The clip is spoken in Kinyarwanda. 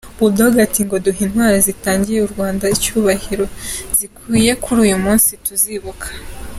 Bulldog ati: Duhe Intwari zitangiye u Rwanda icyubahiro zikwiye kuri uyu munsi tuzibuka.